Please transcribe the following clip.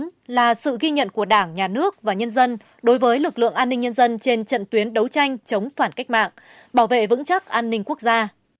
đây là sự ghi nhận của đảng nhà nước và nhân dân đối với lực lượng an ninh nhân dân trên trận tuyến đấu tranh chống phản cách mạng bảo vệ vững chắc an ninh quốc gia